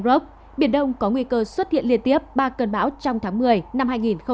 trong lúc biển đông có nguy cơ xuất hiện liên tiếp ba cơn bão trong tháng một mươi năm hai nghìn hai mươi một